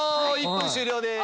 １分終了です！